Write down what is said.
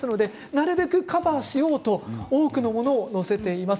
なるべくカバーしようと多くのものを載せています。